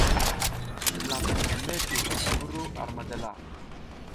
Vulaƞ tokom mezle ngi ru ar madala.